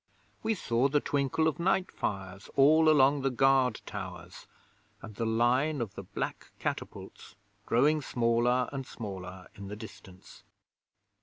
We saw the twinkle of night fires all along the guard towers, and the line of the black catapults growing smaller and smaller in the distance.